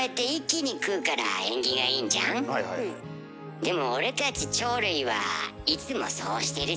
でも俺たち鳥類はいつもそうしてるじゃん。